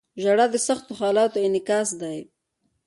• ژړا د سختو حالاتو انعکاس دی.